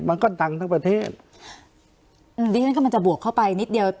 มันก็ดังทั้งประเทศอืมดิฉันกำลังจะบวกเข้าไปนิดเดียว